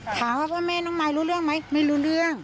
ถามว่าพ่อแม่น้องมายรู้เรื่องไหมไม่รู้เรื่อง